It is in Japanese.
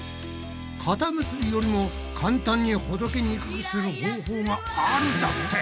かた結びよりも簡単にほどけにくくする方法があるだって？